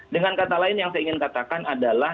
dengan kata lain yang ingin saya katakan adalah